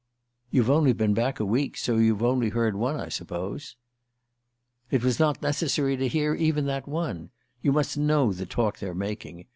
"You've only been back a week, so you've only heard one, I suppose?" "It was not necessary to hear even that one. You must know the talk they're making.